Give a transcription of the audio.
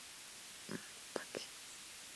Vamos a morir. Yo me largo.